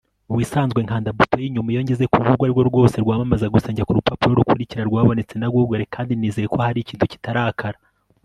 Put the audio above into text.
mubisanzwe nkanda buto yinyuma iyo ngeze kurubuga urwo arirwo rwose rwamamaza Gusa njya kurupapuro rukurikira rwabonetse na Google kandi nizeye ko hari ikintu kitarakara